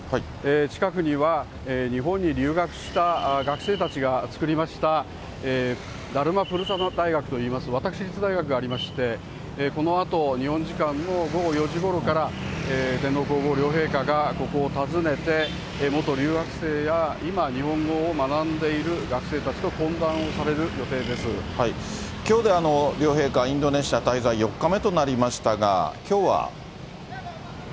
近くには、日本に留学した学生たちがつくりました、大学といいます、私立大学がありまして、このあと日本時間の午後４時ごろから天皇皇后両陛下がここを訪ねて、元留学生や、今日本語を学んでいる学生たちと懇談をされる予きょうで両陛下、インドネシア滞在４日目となりましたが、きょうは。